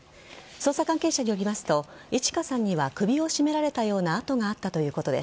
捜査関係者によりますといち花さんには首を絞められたような痕があったということです。